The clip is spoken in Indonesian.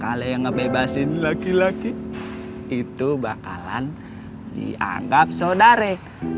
kalo yang ngebebasin laki laki itu bakalan dianggap sodare